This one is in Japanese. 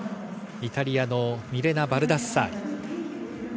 イタリアのミレナ・バルダッサーリ。